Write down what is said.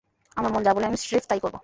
আমার মন যা বলে আমি স্রেফ তাইই করব।